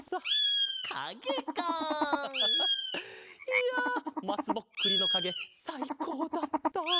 いやまつぼっくりのかげさいこうだった。